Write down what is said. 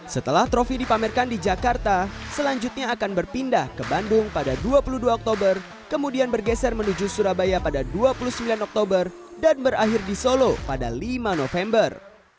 setelah trofi dipamerkan di jakarta selanjutnya akan berpindah ke bandung pada dua puluh dua oktober kemudian bergeser menuju surabaya pada dua puluh sembilan oktober dan berakhir di solo pada lima november